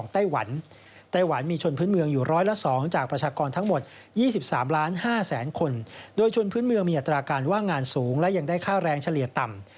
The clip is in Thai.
ด้วยชนพื้นเมืองมีอัตราการว่างงานสูงและยังได้ค่าแรงเฉลี่ยต่ำ